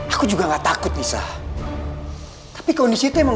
aku udah bilang tahan diri kamu